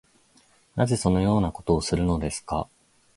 なぜそのようなことをするのですか